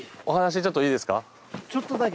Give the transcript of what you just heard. お話ちょっといいですか？